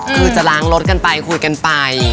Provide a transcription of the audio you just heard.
คือจะล้างรถกันไปคุยกันไป